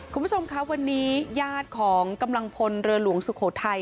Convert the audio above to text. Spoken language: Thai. คุณผู้ชมคะวันนี้ญาติของกำลังพลเรือหลวงสุโขทัย